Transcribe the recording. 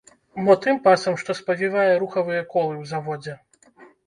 Мо тым пасам, што спавівае рухавыя колы ў заводзе?